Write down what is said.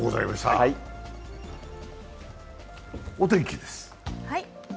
お天気です。